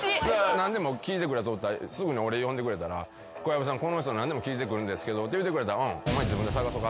何でも聞いてくるやつおったらすぐに俺呼んでくれたら「小籔さんこの人何でも聞いてくるんですけど」って言うてくれたら。